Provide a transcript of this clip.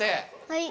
はい。